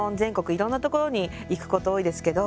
いろんなところに行くこと多いですけど